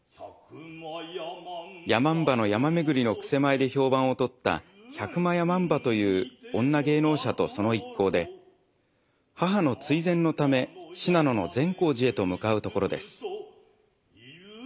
山姥の山廻りの曲舞で評判をとった百魔山姥という女芸能者とその一行で母の追善のため信濃の善光寺へと向かうところです。